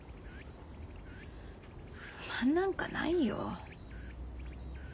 不満なんかないよ。